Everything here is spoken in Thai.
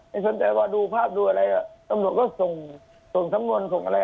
ไม่สนใจว่าดูภาพดูอะไรอ่ะตำลวดก็ส่งส่งทั้งหมดส่งอะไร